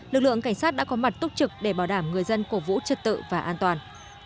lực lượng cảnh sát đã có mặt túc trực để bảo đảm người dân cổ vũ trật tự và an toàn